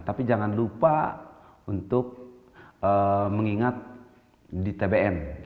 tapi jangan lupa untuk mengingat di tbm